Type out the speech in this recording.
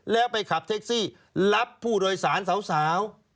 แล้วไปขับแท็กซี่รับผู้โดยสารสาว